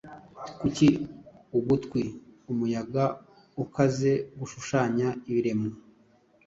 Kuki ugutwi, umuyaga ukaze gushushanya ibiremwa?